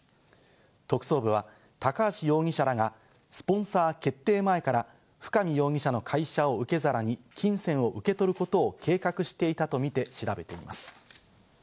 特捜部は、高橋容疑者らがスポンサー決定前から深見容疑者の会社を受け皿に金銭を受け取ることを計画していたとみて調べています。